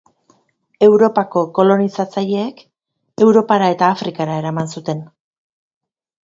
Europako kolonizatzaileek Europara eta Afrikara eraman zuten.